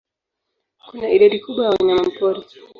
Kuna idadi kubwa ya wanyamapori.